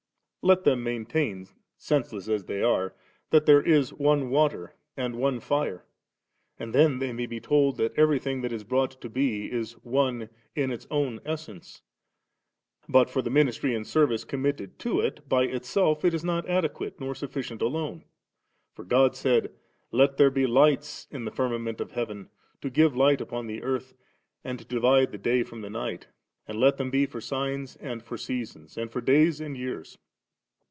Let them maintain, senseless as they are, that there is one water and one fire, and then they may be told that everything that is brought to be, is one in its own essence ; but for the ministry and service committed to it, by itself it is not adequate nor sufficient alone. For God said, *Let there be lights in the firma ment of heaven, to give light upon the earth, and to divide the day firom the night ; and let them be for signs and for seasons and for days and years.'